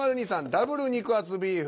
「ダブル肉厚ビーフ」